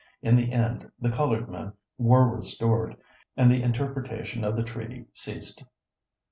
In the end the colored men were restored, and the interpretation of the treaty ceased.